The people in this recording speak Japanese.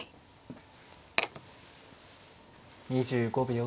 ２５秒。